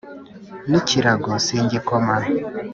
n'ikirago singikoma